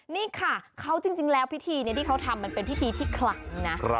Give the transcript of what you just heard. นี่ค่ะเขาจริงแล้วพิธีที่เขาทำมันเป็นพิธีที่คลังนะ